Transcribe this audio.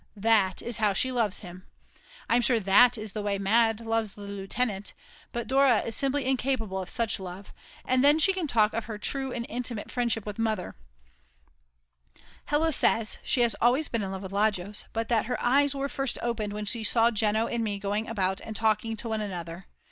That is how she loves him! I'm sure that is the way Mad. loves the lieutenant, but Dora is simply incapable of such love, and then she can talk of her true and intimate friendship with Mother. Hella says she has always been in love with Lajos, but that her eyes were first opened when she saw Jeno and me going about together and talking to one another.